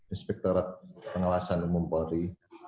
inspektorat pengawasan umum polri